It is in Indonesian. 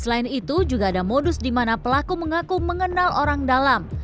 selain itu juga ada modus di mana pelaku mengaku mengenal orang dalam